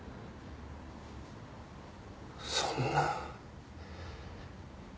そんな。